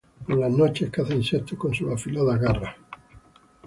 Por las noches caza insectos con sus afiladas garras.